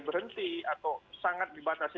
berhenti atau sangat dibatasi